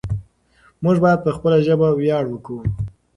موږ بايد په خپله ژبه وياړ وکړو.